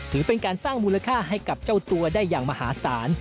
ถือเป็นการสร้างมูลค่าให้กับเจ้าตัวได้อย่างมหาศาล